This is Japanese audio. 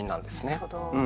なるほど。